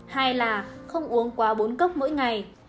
hai là không uống quá bốn cốc mỗi ngày